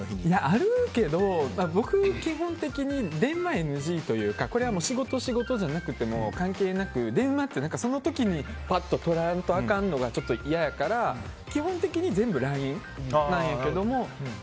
あるけど僕、基本的に電話ＮＧというかこれは仕事じゃなくても関係なく電話ってその時にぱっととらんと、あかんのがちょっと嫌やから基本的に全部ＬＩＮＥなんやけど。